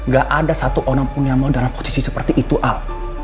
gak ada satu orang pun yang mau dalam posisi seperti itu al